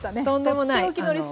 とんでもない。